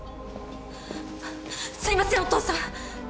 すいませんお父さん！